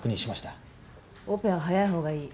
オペは早い方がいい。